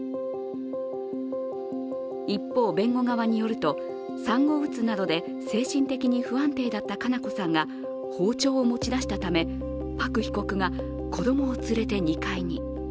一方、弁護側によると、産後うつなどで精神的に不安定だった佳菜子さんが包丁を持ち出したため、パク被告が子供を連れて２階に。